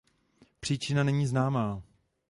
Příčina není známá.